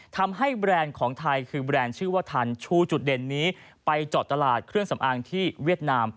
แบรนด์ของไทยคือแบรนด์ชื่อว่าทันชูจุดเด่นนี้ไปเจาะตลาดเครื่องสำอางที่เวียดนาม